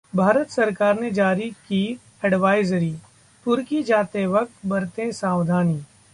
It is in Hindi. भारत सरकार ने जारी की एडवाइजरी- तुर्की जाते वक्त बरतें सावधानी